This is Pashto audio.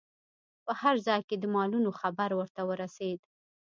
په هر ځای کې د مالونو خبر ورته ورسید.